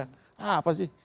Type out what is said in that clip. hah apa sih